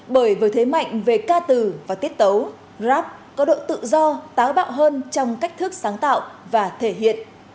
bởi với thế mạnh về ca từ và tiết tấu rap có độ tự do táo bạo hơn trong cách thức sáng tạo và thể hiện